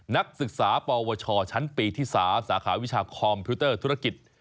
นักศึกษาปวชชั้นปีที่๓สาขาวิชาคอมพิวเตอร์ธุรกิจ